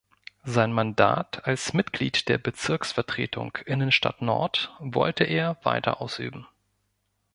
Sein Mandat als Mitglied der Bezirksvertretung Innenstadt-Nord wolle er weiter ausüben.